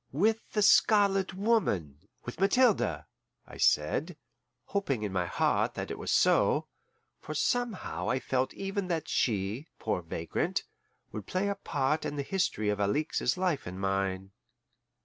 "With the Scarlet Woman with Mathilde," I said, hoping in my heart that it was so, for somehow I felt even then that she, poor vagrant, would play a part in the history of Alixe's life and mine.